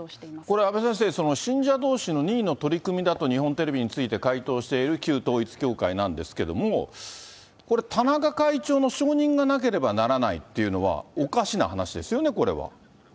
これ、阿部先生、信者どうしの任意の取り組みだと、日本テレビについて回答している旧統一教会なんですけれども、これ、田中会長の承認がなければならないというのは、おかしな話ですよね、これは。